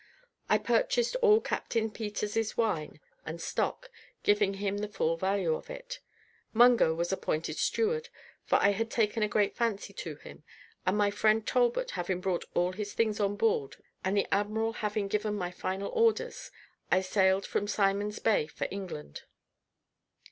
I purchased all Captain Peters's wine and stock, giving him the full value for it. Mungo was appointed steward, for I had taken a great fancy to him; and my friend Talbot having brought all his things on board, and the admiral having given my final orders, I sailed from Simon's Bay for England.